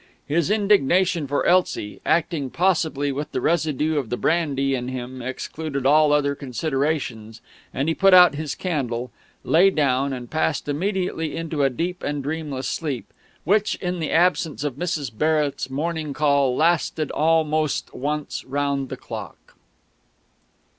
His indignation for Elsie, acting possibly with the residue of the brandy in him, excluded all other considerations; and he put out his candle, lay down, and passed immediately into a deep and dreamless sleep, which, in the absence of Mrs. Barrett's morning call, lasted almost once round the clock.